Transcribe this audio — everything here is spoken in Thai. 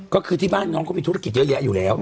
ก็คือที่บ้านน้องก็มีธุรกิจเยอะแยะอยู่แล้ว